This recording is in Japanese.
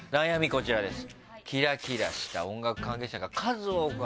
こちらです。